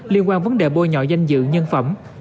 liên quan vấn đề bôi nhọ danh dự nhân phẩm